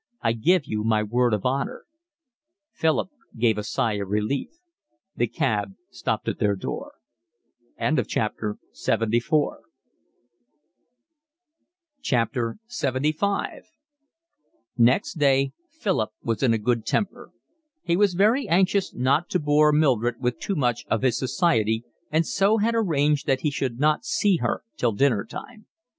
I give you my word of honour." Philip gave a sigh of relief. The cab stopped at their door. LXXV Next day Philip was in a good temper. He was very anxious not to bore Mildred with too much of his society, and so had arranged that he should not see her till dinner time.